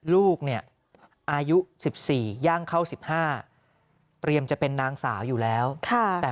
ลูกเนี่ยอายุ๑๔ย่างเข้า๑๕เตรียมจะเป็นนางสาวอยู่แล้วแต่